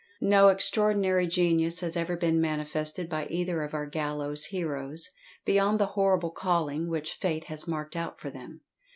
No extraordinary genius has ever been manifested by either of our gallows heroes, beyond the horrible calling which fate has marked out for them.